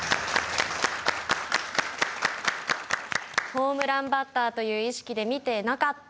「ホームランバッターという意識で見てなかった」。